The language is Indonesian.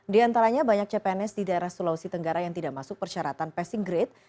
di antaranya banyak cpns di daerah sulawesi tenggara yang tidak masuk persyaratan passing grade